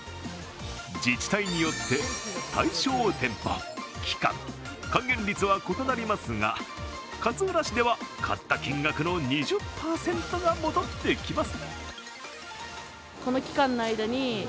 自治体によって対象店舗、期間、還元率は異なりますが勝浦市では買った金額の２０％が戻ってきます。